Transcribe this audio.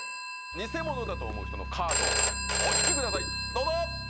ニセモノだと思う人のカードをお引きくださいどうぞ！